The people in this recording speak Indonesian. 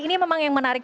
ini memang yang menarik